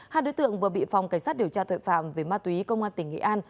hai đối tượng vừa bị phòng cảnh sát điều tra thuệ phạm về ma túy công an tp hcm